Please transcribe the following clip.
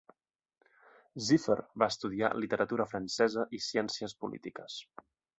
Ziffer va estudiar literatura francesa i ciències polítiques.